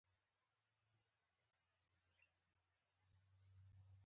عطرونه د شخصي سټایل برخه ده.